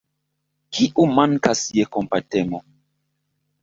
Kiu mankas je kompatemo?